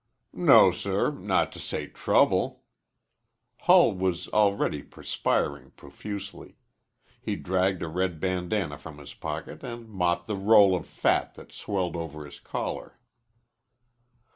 "No, sir not to say trouble." Hull was already perspiring profusely. He dragged a red bandanna from his pocket and mopped the roll of fat that swelled over his collar.